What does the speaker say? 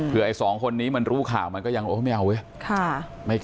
เพื่อไอ้สองคนนี้มันรู้ข่าวมันก็ยังโอ๊ยไม่เอาเว้ย